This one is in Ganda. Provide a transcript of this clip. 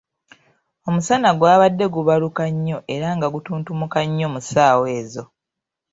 Omusana gwabanga gubaaluuka nnyo era nga gutuntumuka nnyo mu ssaawa ezo.